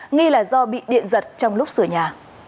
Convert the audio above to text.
nghi là do bị điện giật trong lúc sửa nhà